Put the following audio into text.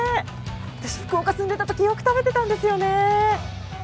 私、福岡住んでいたとき、よく食べてたんですよね。